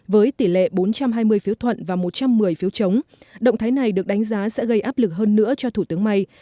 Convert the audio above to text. với tỷ lệ bốn trăm hai mươi phiếu thuận và một trăm một mươi phiếu chống động thái này được đánh giá sẽ gây áp lực hơn nữa cho thủ tướng may